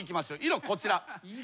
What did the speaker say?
色こちら。